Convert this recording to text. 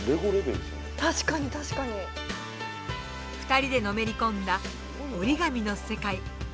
２人でのめり込んだ折り紙の世界。